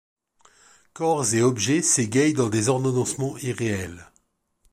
Corps et objets s’égaillent dans des ordonnancements irréels.